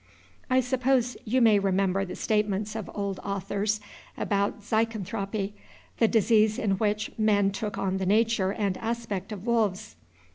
I suppose you may remember the statements of old authors about Zycanthropy, the disease in which men took on the nature and aspect of wolves.